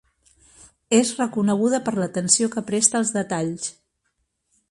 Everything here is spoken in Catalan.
És reconeguda per l'atenció que presta als detalls.